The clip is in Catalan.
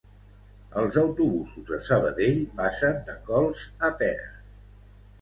Els autobusos de Sabadell passen de cols a peres